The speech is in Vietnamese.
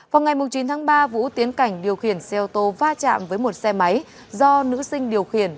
vào ngày chín tháng ba vũ tiến cảnh điều khiển xe ô tô va chạm với một xe máy do nữ sinh điều khiển